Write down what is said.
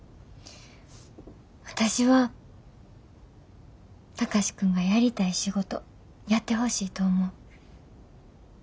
私は貴司君がやりたい仕事やってほしいと思う。